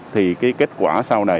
thì kết quả sau này